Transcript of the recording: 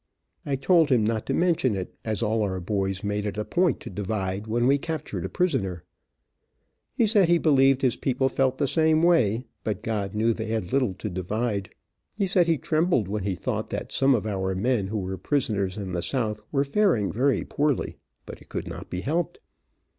I told him not to mention it, as all our boys made it a point to divide when we captured a prisoner. He said he believed his people felt the same way, but God knew they had little to divide. He said he trembled when he thought that some of our men who were prisoners in the south were faring very poorly, but it could not be helped.